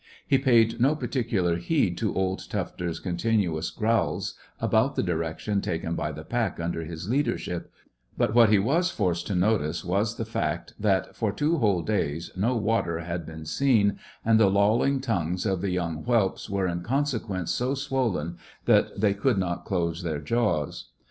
He paid no particular heed to old Tufter's continuous growls about the direction taken by the pack under his leadership; but what he was forced to notice was the fact that for two whole days no water had been seen, and the lolling tongues of the young whelps were in consequence so swollen that they could not close their jaws.